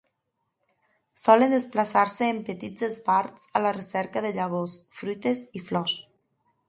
Solen desplaçar-se en petits esbarts a la recerca de llavors, fruites i flors.